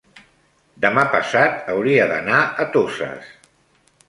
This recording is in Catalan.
demà passat hauria d'anar a Toses.